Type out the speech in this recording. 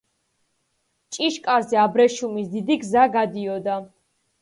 ჭიშკარზე აბრეშუმის დიდი გზა გადიოდა.